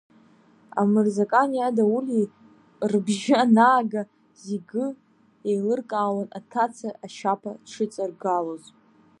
Амырзакани адаули рбжьы анаага, зегы еилыркаауан аҭаца ашьаԥа дшыҵаргалоз.